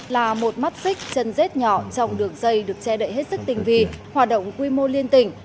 là một mắt xích chân rết nhỏ trong đường dây được che đậy hết sức tình vi hoạt động quy mô liên tỉnh